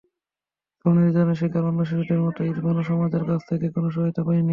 যৌন নির্যাতনের শিকার অন্য শিশুদের মতো ইরফানও সমাজের কাছ থেকে কোনো সহায়তা পায়নি।